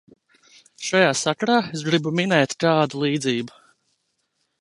Šajā sakarā es gribu minēt kādu līdzību.